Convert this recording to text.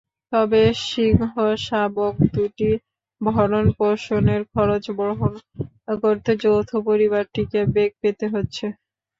তবে সিংহশাবক দুটির ভরণপোষণের খরচ বহন করতে যৌথ পরিবারটিকে বেগ পেতে হচ্ছে।